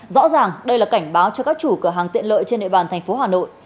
rõ ràng đây là cảnh báo cho các chủ cửa hàng tiện lợi trên nệp bàn tp hà nội